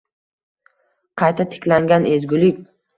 Qayta tiklangan ezgulik